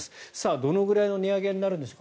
どのくらいの値上げになるんでしょうか